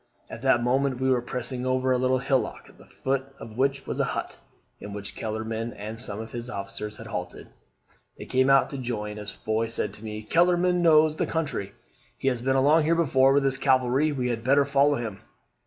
At that moment we were passing over a little hillock, at the foot of which was a hut, in which Kellerman and some of his officers had halted. They came out to join as Foy said to me, 'Kellerman knows the country: he has been along here before with his cavalry; we had better follow him.'